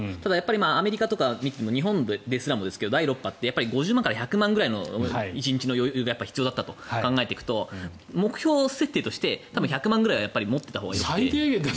アメリカとか日本ですらも第６波って５０万ぐらいの１日の余裕が必要だったと考えていくと、目標設定として１００万ぐらいは持っていたほうがいいと。